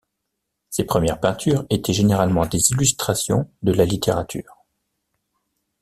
Ses premières peintures étaient généralement des illustrations de la littérature.